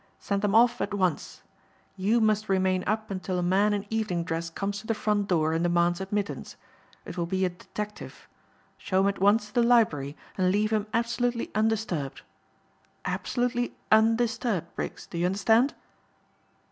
Send them off at once. You must remain up until a man in evening dress comes to the front door and demands admittance. It will be a detective. Show him at once to the library and leave him absolutely undisturbed. Absolutely undisturbed, Briggs, do you understand?"